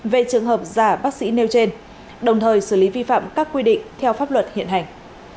về trường hợp giả bác sĩ nêu trên đồng thời xử lý vi phạm các quy định theo pháp luật hiện hành